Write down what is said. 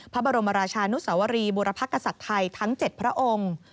พระบรมราชานุสวรีบุรพกษัตริย์ไทยทั้ง๗พระองค์